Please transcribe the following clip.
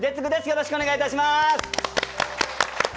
よろしくお願いします。